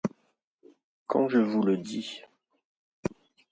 Quand je vous le dis!